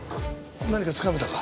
何かつかめたか？